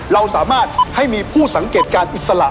เราสามารถให้มีผู้สังเกตการณ์อิสระ